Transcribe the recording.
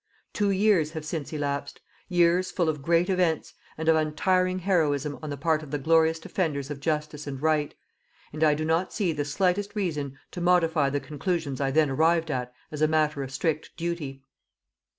Two years have since elapsed years full of great events, and of untiring heroism on the part of the glorious defenders of Justice and Right and I do not see the slightest reason to modify the conclusions I then arrived at as a matter of strict duty.